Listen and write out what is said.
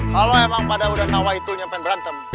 kalau memang pada udah nawaitul nyampe berantem